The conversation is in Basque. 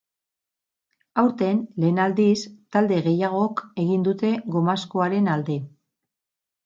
Aurten, lehen aldiz, talde gehiagok egin dute gomazkoaren alde.